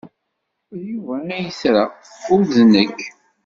D Yuba ay tra, ur d nekk.